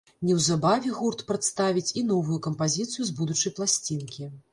Неўзабаве гурт прадставіць і новую кампазіцыю з будучай пласцінкі.